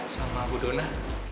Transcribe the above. sama bu dona